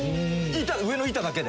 板上の板だけで。